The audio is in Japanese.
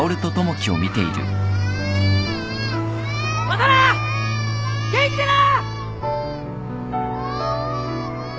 またな元気でな。